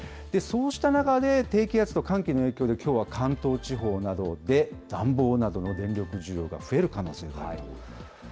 そうした中で、低気圧と寒気の影響で、きょうは関東地方などで、暖房などの電力需要が増える可能性があるという。